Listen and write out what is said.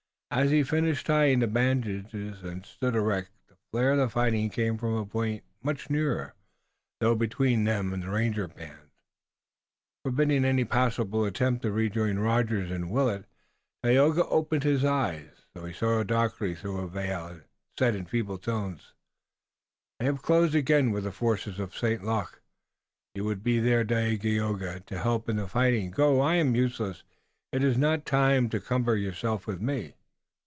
As he finished tying the bandage and stood erect the flare of the fighting came from a point much nearer, though between them and the ranger band, forbidding any possible attempt to rejoin Rogers and Willet. Tayoga opened his eyes, though he saw darkly, through a veil, and said in feeble tones: "They have closed again with the forces of St. Luc. You would be there, Dagaeoga, to help in the fighting. Go, I am useless. It is not a time to cumber yourself with me."